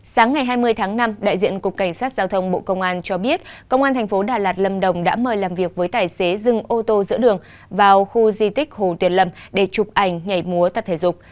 sáng ngày hai mươi tháng năm đại diện cục cảnh sát giao thông bộ công an cho biết công an thành phố đà lạt lâm đồng đã mời làm việc với tài xế dừng ô tô giữa đường vào khu di tích hồ tuyền lâm để chụp ảnh nhảy múa tập thể dục